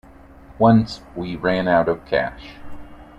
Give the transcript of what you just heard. Once we ran out of cash.